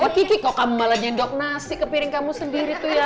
yang kiki kok malah nyedok nasi ke piring kamu sendiri tuh ya apa